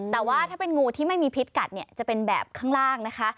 แต่ว่าถ้าเป็นงูที่ไม่มีพิษกัดเนี่ยจะเป็นแบบข้างล่างนะคะ